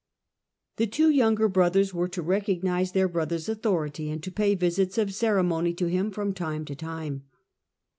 The two younger brothers were to recognise their brother's authority and to pay visits of ceremony to him from time to time.